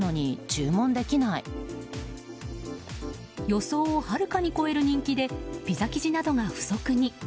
予想をはるかに超える人気でピザ生地などが不足に。